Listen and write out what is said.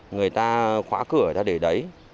người ta khóa cửa để đấy